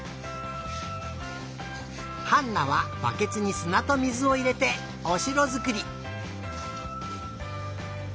ハンナはバケツにすなと水をいれておしろづくり。